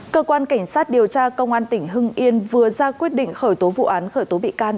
cơ quan cảnh sát điều tra công an tỉnh hưng yên vừa ra quyết định khởi tố vụ án khởi tố bị can